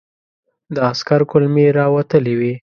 د عسکر کولمې را وتلې وې.